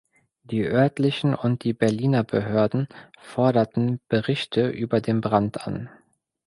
Die örtlichen und die Berliner Behörden forderten Berichte über den Brand an.